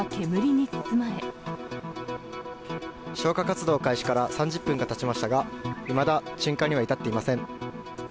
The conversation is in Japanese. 消火活動開始から３０分がたちましたが、いまだ鎮火には至っていません。